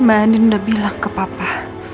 mbak andin udah bilang ke papa